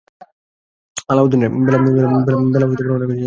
বেলা অনেক হইয়াছে।